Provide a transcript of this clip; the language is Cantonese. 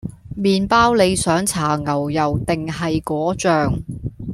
麵包你想搽牛油定係果醬？